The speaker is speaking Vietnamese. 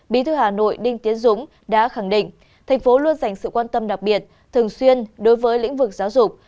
bí thư hà nội đinh tiến dũng đã khẳng định thành phố luôn dành sự quan tâm đặc biệt thường xuyên đối với lĩnh vực giáo dục